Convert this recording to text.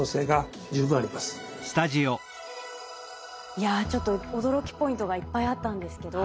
いやちょっと驚きポイントがいっぱいあったんですけど。